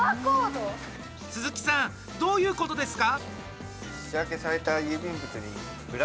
鈴木さんどういうことですか？